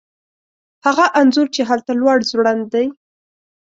هغه انځور چې هلته لوړ ځوړند دی